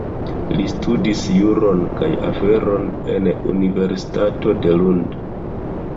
Li studadis juron kaj aferon en la universitato de Lund.